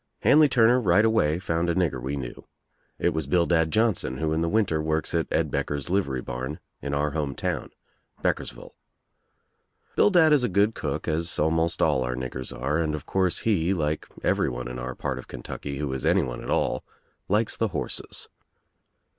Hanley Turner right away found a nigger we knew. It was Bildad Johnson who in the winter works at Ed Becker's Uvery barn in our home town, BeckersvUle. Bildad is a good cook as almost all our niggers are and of course he, like everyone in our part of Kentucky who is anyone at all, likes the horses.